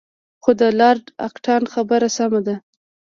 خو د لارډ اکټان خبره سمه ده.